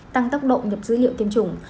tăng tốc độ nhập dữ liệu tiêm chủng